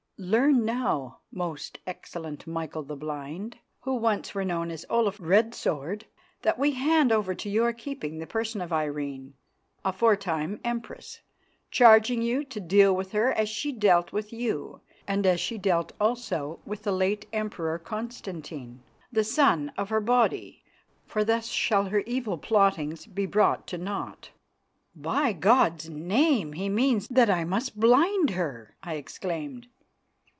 "'Learn now, most excellent Michael the Blind, who once were known as Olaf Red Sword, that we hand over to your keeping the person of Irene, aforetime Empress, charging you to deal with her as she dealt with you and as she dealt also with the late Emperor Constantine, the son of her body, for thus shall her evil plottings be brought to naught.'" "By God's Name, he means that I must blind her!" I exclaimed.